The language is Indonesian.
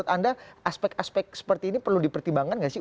menurut anda aspek aspek seperti ini perlu dipertimbangkan nggak sih